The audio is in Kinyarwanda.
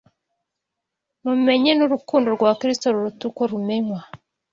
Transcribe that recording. mumenye n’urukundo rwa Kristo ruruta uko rumenywa